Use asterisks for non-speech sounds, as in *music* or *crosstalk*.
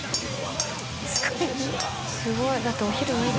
すごい *laughs*